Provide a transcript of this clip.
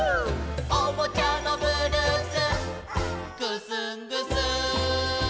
「おもちゃのブルースぐすんぐすん」